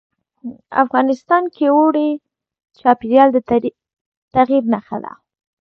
افغانستان کې اوړي د چاپېریال د تغیر نښه ده.